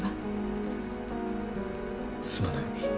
すまない。